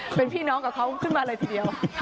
เป็นพี่น้องกับเขาขึ้นมาเลยทีเดียว